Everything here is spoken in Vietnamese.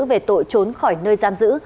về tội trốn khỏi nơi giam giữ